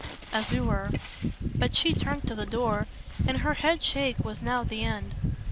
"As we were." But she turned to the door, and her headshake was now the end.